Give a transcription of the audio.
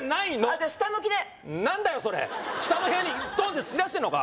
じゃあ下向きで何だよそれ下の部屋にドンって突き出してんのか？